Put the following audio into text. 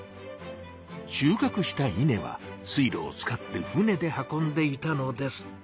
しゅうかくしたイネは水路を使ってふねで運んでいたのです。